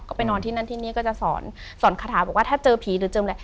ก็ไปนอนที่นั่นที่นี่ก็จะสอนสอนคาถาบอกว่าถ้าเจอผีหรือเจิมอะไร